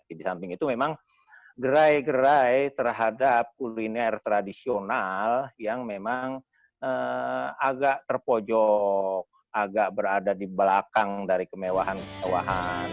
di samping itu memang gerai gerai terhadap kuliner tradisional yang memang agak terpojok agak berada di belakang dari kemewahan kemewahan